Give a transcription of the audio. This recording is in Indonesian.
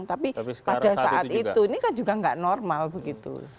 tapi pada saat itu ini kan juga nggak normal begitu